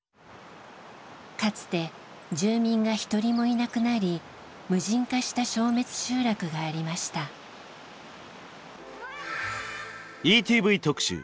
かつて住民が一人もいなくなり無人化した消滅集落がありましたＥＴＶ特集